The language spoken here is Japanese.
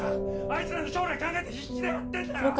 あいつらの将来考えて必死でやってんだよ